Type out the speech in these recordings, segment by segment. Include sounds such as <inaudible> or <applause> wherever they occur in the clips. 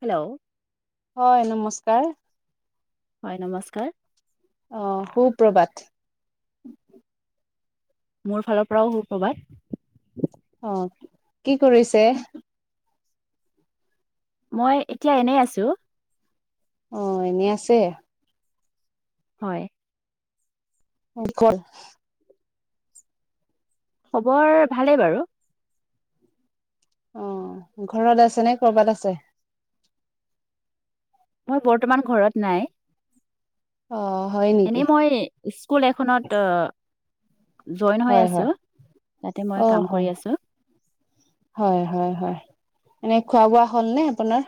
Hello হয় নমস্কাৰ। হয় নমস্কাৰ। অ' সুপ্ৰবাত মোৰ ফালৰ পৰাও সুপ্ৰবাত অ' কি কৰিছে? মই এতিয়া এনেই আছো। অ' এনে আছে। হয় <unintelligible> মোৰ ভালে বাৰু অ' ঘৰত আছে নে কৰ'বাত আছে? বৰ্তমান ঘৰত নাই। অ' হয় এনে নেকি মই স্কুল এখনত অ জইন হৈ হয় আছো, হয় তাতে মই অ কাম হয় কৰি আছো। হয়, হয়, হয়। এনে খোৱা-বোৱা হ'ল নে আপোনাৰ?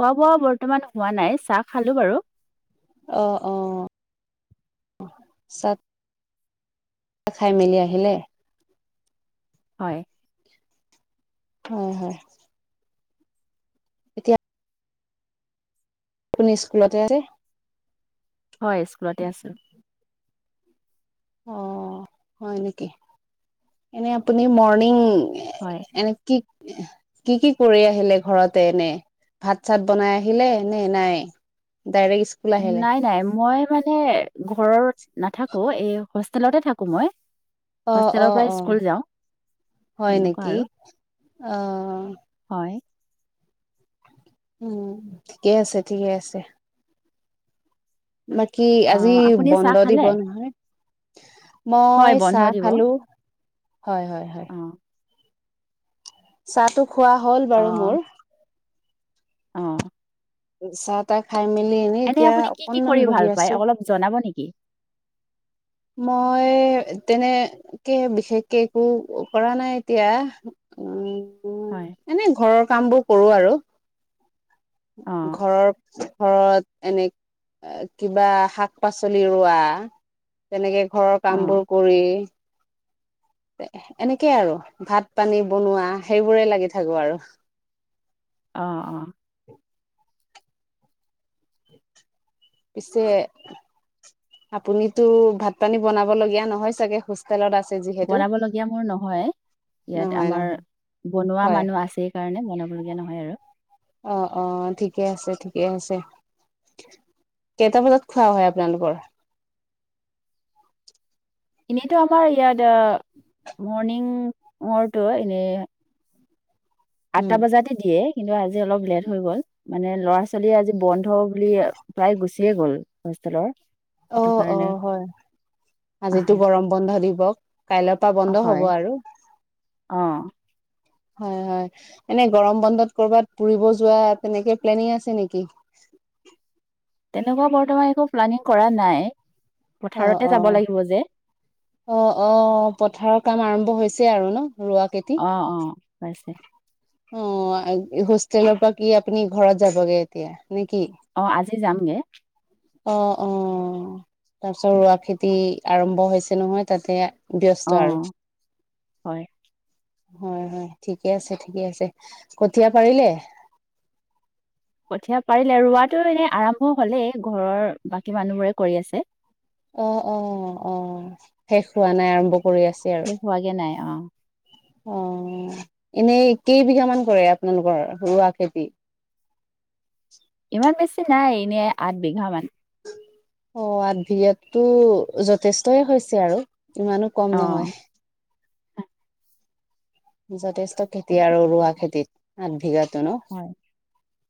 খোৱা-বোৱা বৰ্তমান হোৱা নাই। চাহ খালোঁ বাৰু। অ' অ' চাহ খাই মেলি আহিলে? <unintelligible> হয়, হয়। এতিয়া আপুনি স্কুলতে আছে? স্কুলতে আছোঁ। অ' হয় নেকি। এনে আপুনি মৰ্ণিং <inaudible> কি কি কি কৰি আহিলে ঘৰতে এনে? ভাত চাত বনাই আহিলে নে নাই? ডাইৰেক্ট স্কু নাই নাই মই মানে ঘৰত নাথাকো। এই হোষ্টেলতে থাকো মই। অ' হোষ্টেলৰ অ' পৰা স্কুল অ' যাওঁ হয় তেনেকুৱা নেকি। আৰু অ' হয়। উম, ঠিকে আছে, ঠিকে আছে। বাকী অ, আজি আপুনি বন্দ চাহ খালে দিব নহয়। হয় মই বন্ধ চাহ দিব খালোঁ। হয়, হয়, হয়। অঁ চাহটো খোৱা হ'ল বাৰু মোৰ। অ' চাহ তাহ খাই মেলি এনে এনে আপুনি কি কৰি ভাল পায়? অলপ জনাব নেকি? মই তেনে তেনেকে বিশেষকে একো কৰা নাই এতিয়া উম। উম, হয়, এনেই ঘৰৰ কামবোৰ কৰো আৰু অ', ঘৰৰ ঘৰত এনে কিবা শাক-পাচলি ৰোৱা। তেনেকে ঘৰৰ কামবোৰ অ', কৰি এনেকেই আৰু ভাত পানী বনোৱা সেইবোৰে লাগি থাকো আৰু। অ' অ' পিছে আপুনিতো ভাত পানী বনাব লগীয়া নহয় চাগে হোষ্ট হোষ্টেলত আছে যিহেতু বনাব লগীয়া মোৰ নহয়। ইয়াত নহয় আমাৰ নহয় বনোৱা হয় মানুহ আছে। কাৰণে বনাবলগীয়া নহয় আৰু অ' অ' ঠিকে আছে, ঠিকে আছে। কেইটা বজাত খোৱা হয়, আপোনালোকৰ? এনেইতো আমাৰ ইয়াত মৰ্ণিং ৰটো এনেই আঠটা উম বজাতে দিয়ে। কিন্তু, আজি অলপ লেট হৈ গ'ল মানে ল'ৰা ছোৱালীয়ে আজি বন্ধ বুলি প্ৰায় গুচিয়ে গ'ল হোষ্টেলৰ অ অ সেইকাৰণে হয় আজিতো গৰম বন্ধ দিৱ, কাইলৰ পৰা বন্ধ হয়, হ'ব আৰু অ' হয়, হয় এনে গৰম বন্ধত ক'ৰবাত ফুৰিব যোৱা তেনেকে প্লেনিং আছে নেকি? তেনেকুৱা বৰ্তমান একো প্লানিং কৰা নাই। পথাৰতে অ' যাব অ' লাগিব যে, অ' অ' পথাৰৰ কাম আৰম্ভ হৈছে আৰু ন ৰোৱা কেইটা অ' অ' পাইছে। অ' হোষ্টেলৰ পৰা কি আপুনি ঘৰত যাবগে এতিয়া নে কি? অ' আজি যামগে অ' অ' তাৰপিছত ৰোৱা খেতি আৰম্ভ হৈছে নহয় তাতে অ', ব্যস্ত আৰু হয়। হয় হয় ঠিকে আছে ঠিকে আছে কঠীয়া পাৰিলে? কঠিয়া পাৰিলে ৰোৱাটো এনেই আৰম্ভ হলেই ঘৰৰ বাকী মানুহ বোৰে কৰি আছে অ' অ' অ' শেষ হোৱা নাই আৰম্ভ কৰি আছে আৰু শেষ হোৱাগে নাই অ' অ' এনেই‌ কেইবিঘা মান কৰে আপোনালোকৰ ৰোৱা খেতি ইমান বেছি নাই এনেই আঠ বিঘা মান অ' আঠ ভিঘাটো যথেষ্টয়ে হৈছে আৰু ইমানো কম অ', নহয় যথেষ্ট খেতি আৰু ৰোৱা খেতিত আঠ বিঘাতো ন হয়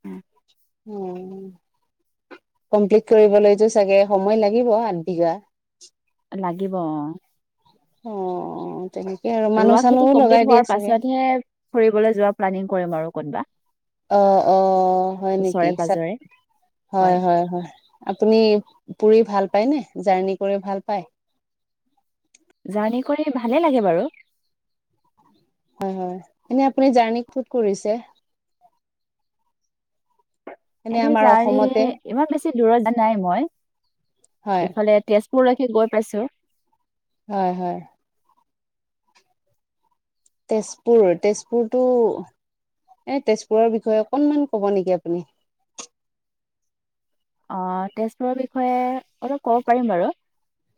অ', উম কমপ্লিট কৰিবলৈটো চাগে সময় লাগিব আঠবিঘা লাগিব অ' অ' তেনেকেই আৰু ৰোৱা মানুহ খেতি চানুহও কমপ্লিট লগাই হোৱাৰ দিয়ে চাগে পাছতহে ফুৰিবলৈ যোৱা প্লেনিং কৰিম আৰু কোনোবা অ' অ' হয় নেকি পাজৰে হয় হয় আপুনি ফুৰি ভাল পায় নে জাৰ্ণি কৰি ভাল পায় জাৰ্ণি কৰি ভালে লাগে বাৰু হয় হয় এনে আপুনি জাৰ্ণি ক'ত কৰিছে? এনে আমাৰ জাৰ্নী অসমতে ইমান বেছি বছি দূৰত নাই মই হয়, ইফালে তেজপুৰলৈকে গৈ পাইছো হয় হয় তেজপুৰ তেজপুৰটো এ তেজপুৰৰ বিষয়ে অকনমান ক'ব নেকি আপুনি অঁ, তেজপুৰৰ বিষয়ে অলপ ক'ব পাৰিম বাৰু।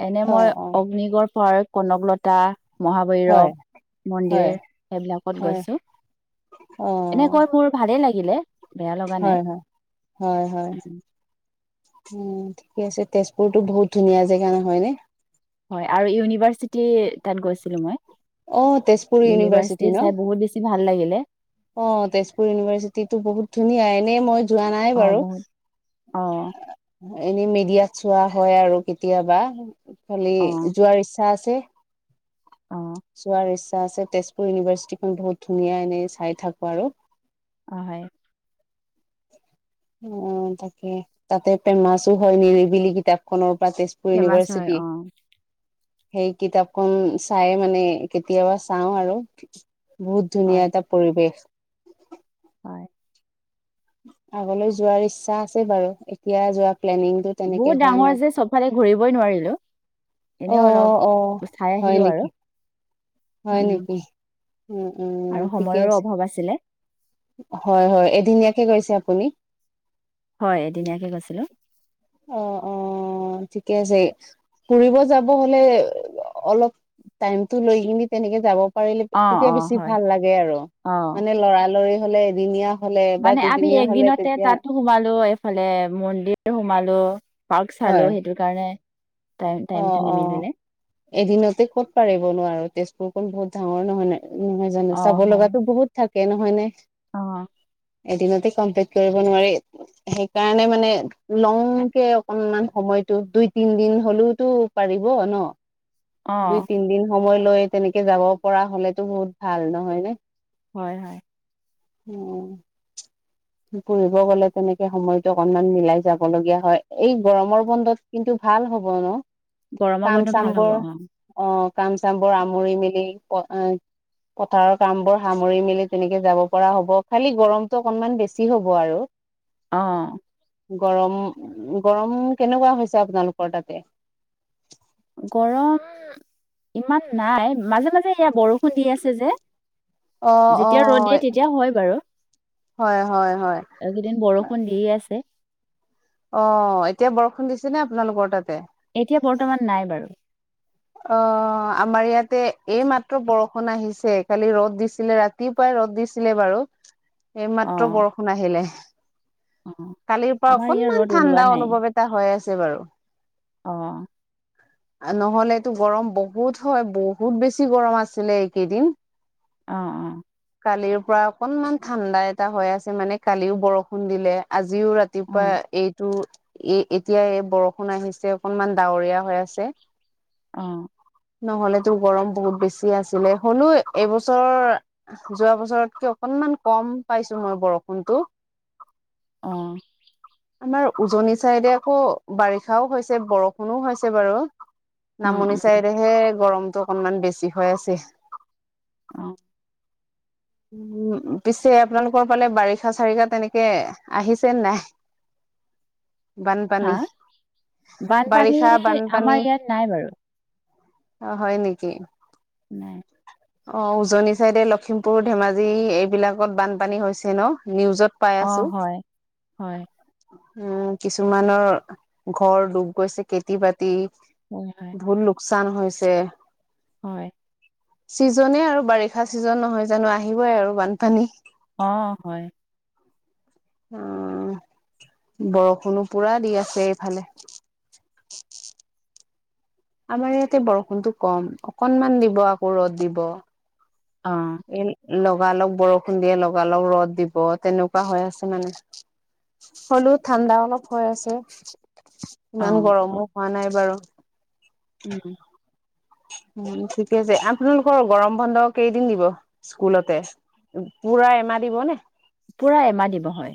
এনে মই অ', অ', অগ্নিগড় পাৰ, কনকলতা, - মহাভৈৰৱ হয়, মন্দিৰ হয়, সেইবিলাকত হয় গৈছো। অ', এনেকৈ মোৰ - ভালেই লাগিলে। বেয়া লগা নাই হয় -হয় -হয় -হয়। উম, উম, ঠিকে আছে তেজপুৰতো বহুত ধুনীয়া জেগা, হয়নে? হয় আৰু ইউনিভাৰ্চিটি তাত গৈছিলো মই, অ', তেজপুৰ ইউনিভাৰ্চিটি চাই বহুত বেছি- ভাল লাগিলে। অঁ, তেজপুৰ ইউনিভাৰ্চিটি টো বহুত ধুনীয়া। এনেই মই- যোৱা নাই অ বাৰু। বহুত অ এনে মিডিয়াত চোৱা হয় আৰু কেতিয়াবা খালি অ যোৱাৰ ইচ্ছা আছে। অঁ। চোৱাৰ ইচ্ছা আছে, তেজপুৰ ইউনিভাৰ্চিটিখন বহুত ধুনীয়া এনেই চাই থাকো আৰু। অঁ, হয়। অঁ, তাকে তাতে ফেমাছো হয় নিৰিবিলি কিতাপ খনৰ পৰা তেজ- পুৰ ফেমাচ হয় ইউনিভাৰ্চিটি। অ সেই কিতাপখন চাইয়ে মানে কেতিয়াবা চাওঁ আৰু। বহুত ধুনীয়া হয় এটা পৰিৱেশ। হয়। আগলৈ যোৱাৰ ইচ্ছা আছে বাৰু এতিয়া যোৱা প্লেনিংটোত। বহুত ডাঙৰ যে চবফালে ঘূৰিবই নোৱাৰিলোঁ। অ এনেই অ অলপ চাই হয় আহিলো আৰু। নেকি হয় উম নেকি? উম- উম আৰু ঠিকে সময়ৰো আছে। অভাৱ আছিলে হয়- হয় এদিনীয়াকে গৈছে আপুনি! হয়, এদিনীয়াকে গৈছিলোঁ। <inaudible> অঁ, ঠিকে আছে। ফুৰিব যাব হ'লে অলপ টাইমটো লৈ কিনি তেনেকে যাব। পাৰিলে অ তেতিয়া অ বেছি হয় ভাল লাগে আৰু অ মানে লৰালৰি হ'লে এদিনীয়া- হ'লে বা মানে আমি দুদিনীয়া হ'লে একদিনতে তেতিয়া- তাতো সোমালো এইফালে মন্দিৰ সোমালো, পাৰ্ক চালো হয় সেইটো কাৰণে। টাইম- অ টাইম টো অ নিমিলিলে। এদিনতে ক'ত পাৰিব নোৱাৰো তেজপুৰখন বহুত ডাঙৰ, হয় নাই, নহয়? জানো অ চাব লগাতো বহুত থাকে, নহয় নে? অঁ। এদিনতে কনটেক্ট কৰিব নোৱাৰি। সেইকাৰণে মানে লওঁকে অকনমান সময়তটো দুই- তিন দিন হলও- টো পাৰিব ন। অ দুই -তিনদিন সময় লৈ তেনেকে যাব পৰা হ'লেটো বহুত ভাল, নহয় নে? হয়, হয়। উম। ফুৰিব গ'লে তেনেকে সময়তটো অকনমান মিলাই যাব লগগীয়া হয়। এই গৰমৰ বন্ধত- কিন্তু ভাল হ'ব ন গৰমৰ কাম বন্ধ ভাল হ'ব অ -চামবোৰ- অঁ, কাম -চামবোৰ সামৰি- মেলি, - পথাৰৰ কাম বোৰ সামৰি মেলি তেনেকে যাব পৰা হ'ব, খালি গৰমতটো অকনমান বেছি। যি হ'ব আৰু। অ। গৰম গৰম কেনেকুৱা হৈছে আপোনালোকৰ তাতে। গৰম ইমান নাই মাজে মাজে এয়া বৰষুণ দি আছে যে। অ অ যেতিয়া ৰ'দ দিয়ে তেতিয়া হয় বাৰু। হয় হয় হয় কেইদিন বৰষুণ দিয়ে আছে। অ এতিয়া বৰষুণ দিছে নে আপোনালোকৰ তাতে। এতিয়া বৰ্তমান নাই বাৰু। অ আমাৰ ইয়াতে এইমাত্ৰ বৰষুণ আহিছে কালি ৰ'দ দিছিলে ৰাত ৰাতিপুৱাই ৰ'দ দিছিলে বাৰু। <unintelligible> এইমাত্ৰ বৰষুণ আহিলে। অ কালিৰ পৰা আমাৰ ইয়াৰ অকনমান ৰ'দ ওলোৱা ঠাণ্ডা নাই অনুভৱ এটা হৈ আছে বাৰু। অ। নহ'লে টো গৰম বহুত হয় বহুত বেছি গৰম আছিলে এইকেইদিন। অ অ। কালিৰ পৰা অকনমান ঠাণ্ডা এটা হৈ আছে মানে কালিও বৰষুণ দিলে আজিও ৰাত অ ৰাতিপুৱা এইটো এ এতিয়া এই বৰষুণ আহিছে অকনমান ডাৱৰীয়া হৈ আছে। অ। নহলে তোৰ গৰম বহুত বেছি আছিলে হ'লো এইবছৰ। যোৱা বছৰতকে অকনমান কম পাইছো মই বৰষুণতো। অ আমাৰ উজনি চাইদে আকৌ বাৰিষাও হৈছে বৰষুণও হৈছে বাৰু। উম নামনি উম চাইদহে গৰমটো অকনমান বেছি হৈ আছে। অ। উম পিছে আপোনালোকৰ ফালে বাৰিষা-চাৰিষা তেনেকে আহিছে নে নাই। হা বানপানী বানপানী বাৰিষা আমাৰ বানপানী ইয়াত নাই বাৰু অ হয় নেকি নাই অ উজনি চাইদে লখিমপুৰ ধেমাজি এইবিলাকত বানপানী হৈছে ন নিউজত পাই অ আছো হয় হয় উম কিছুমানৰ ঘৰ ডুব গৈছে খেতি-বাতি উম হয় <unintelligible> লোকচান হৈছে হয় চিজনে আৰু বাৰিষা ছিজন নহয় জানো আহিবই আৰু বানপানী। অ হয় অহ বৰষুণো পুৰা দি আছে এইফালে। আমাৰ ইয়াতে বৰষুণটো কম অকনমান দিব আকৌ ৰ'দ দিব। অ এই লগালগ বৰষুণ দিয়ে লগালগ ৰ'দ দিব তেনেকুৱা হৈ আছে মানে হ'লেও ঠাণ্ডা অলপ হৈ আছে ইমান অ', গৰমো হোৱা নাই বাৰু। উম উম ঠিকে আছে আপোনালোকৰ গৰম বন্ধ কেইদিন দিব স্কুলতে পুৰা এমাহ দিব নে? পুৰা এমাহ দিব হয়।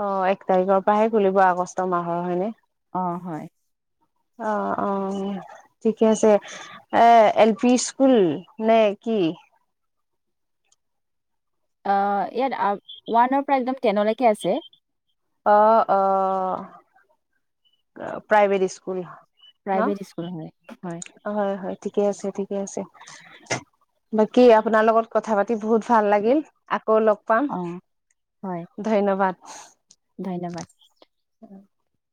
অ' এক তাৰিখৰ পৰাহে খুলিব আগষ্ট মাহৰ হয়নে? অ' হয় অ' অ' ঠিকে আছে এ এল পি স্কুল নে কি? আ ইয়াত ওৱানৰ পৰা একদম টেনলৈকে আছে। অ' অ' প্ৰাইভেট স্কুল ন প্ৰাইভেট স্কুল হয় হয়। হয় হয় ঠিকে আছে ঠিকে আছে। বাকী আপোনাৰ লগত কথা পাতি বহুত ভাল লাগিল আকৌ লগ পাম অ', হয়, ধন্যবাদ। ধন্যবাদ। <inaudible>